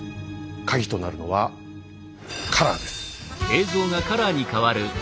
カギとなるのは「カラー」です。